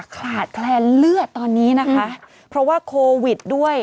ขาดแคลนเลือดตอนนี้นะคะเพราะว่าโควิดด้วย